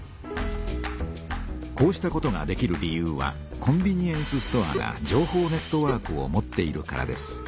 こうしたことができる理由はコンビニエンスストアが情報ネットワークを持っているからです。